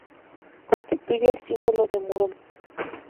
Constituye el símbolo de Morón.